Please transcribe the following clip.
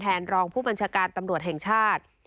รองผู้บัญชาการตำรวจแห่งชาติ